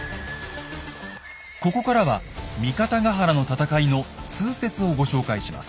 ここからは三方ヶ原の戦いの通説をご紹介します。